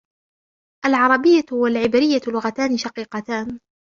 العربية و العبرية لغتان شقيقتان.